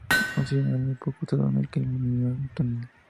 Un sinónimo poco usado es el de "alumino-autunita".